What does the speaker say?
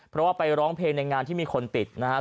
เพราะว่าไปร้องเพลงในงานที่มีคนติดนะครับ